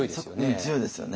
強いですよね。